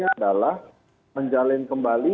adalah menjalin kembali